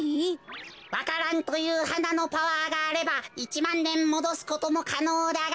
わか蘭というはなのパワーがあれば１まんねんもどすこともかのうだが。